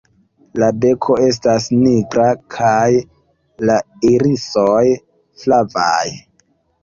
La beko estas nigra kaj la irisoj flavaj.